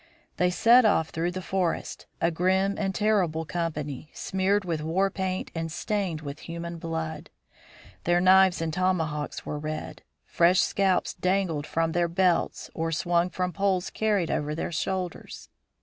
They set off through the forest, a grim and terrible company, smeared with war paint and stained with human blood. Their knives and tomahawks were red; fresh scalps dangled from their belts or swung from poles carried over their shoulders.